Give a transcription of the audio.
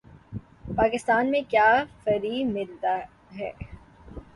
پاکستان میں کیا فری ملتا ہے